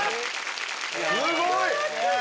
すごい！